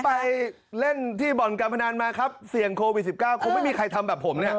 ไปเล่นที่บ่อนการพนันมาครับเสี่ยงโควิด๑๙คงไม่มีใครทำแบบผมเนี่ย